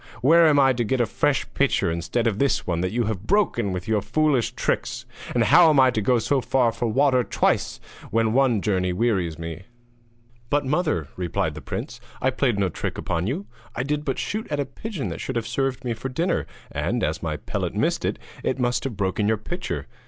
Where am I to get a fresh pitcher instead of this one that you have broken with your foolish tricks? And how am I to go so far for water twice when one journey wearies me?' [Illustration: THE UNLUCKY SHOT] 'But, mother,' replied the prince, 'I played no trick upon you! I did but shoot at a pigeon that should have served me for dinner, and as my pellet missed it, it must have broken your pitcher.